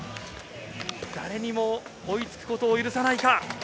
９５．８３は誰にも追いつくことを許さないか？